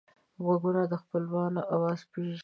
غوږونه د خپلوانو آواز پېژني